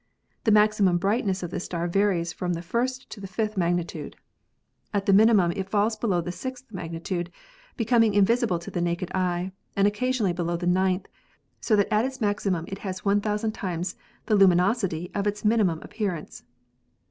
The maximum brightness of this star varies from the first to the fifth magnitude. At the minimum it falls below the sixth mag nitude, becoming invisible to the naked eye, and occasion ally below the ninth, so that at its maximum it has 1,000 times the luminosity of its minimum appearance.